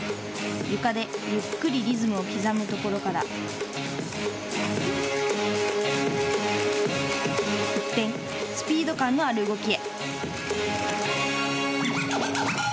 床でゆっくりリズムを刻むところから一転、スピード感のある動きへ。